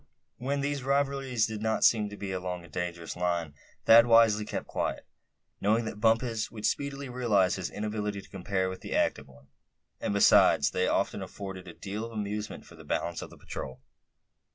When these rivalries did not seem to be along a dangerous line Thad wisely kept quiet, knowing that Bumpus would speedily realize his inability to compare with the active one; and besides they often afforded a deal of amusement for the balance of the patrol.